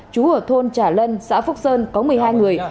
chú ở thôn trả lân xã phúc sơn có một mươi hai người